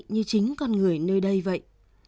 như chính con người nơi đây vậy